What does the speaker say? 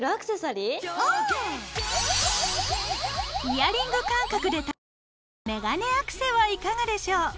イヤリング感覚で楽しめるメガネアクセはいかがでしょう？